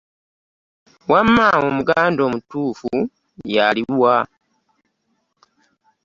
Wamma omuganda omutuufu y'aliwa?